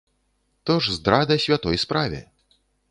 То ж здрада святой справе.